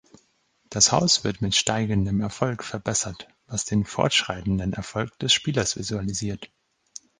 Das Haus wird mit steigendem Erfolg verbessert, was den fortschreitenden Erfolg des Spielers visualisiert.